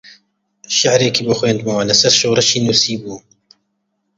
شیعرێکی بۆ خوێندمەوە لەسەر شۆڕشی نووسیبوو